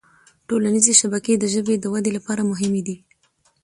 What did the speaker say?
ټولنیزې شبکې د ژبې د ودې لپاره مهمي دي